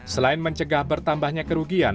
selain mencegah bertambahnya kerugian